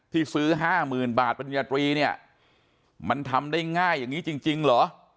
ที่ซื้อ๕๐๐๐บาทปริญญาตรีเนี่ยมันทำได้ง่ายอย่างนี้จริงเหรอ